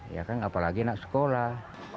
ya kan apalagi anak sekolah